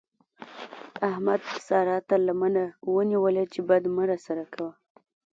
احمد سارا تر لمنه ونيوله چې بد مه راسره کوه.